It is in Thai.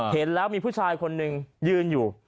เห็นแล้วมีผู้ชายคนหนึ่งยืนอยู่